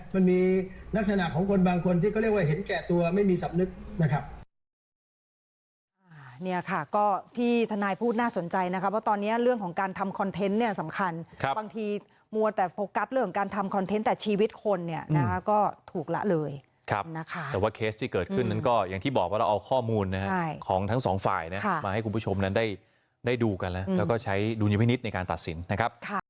มันมีลักษณะของคนบางคนที่เขาเรียกว่าเห็นแก่ตัวไม่มีสำนึกนะครับ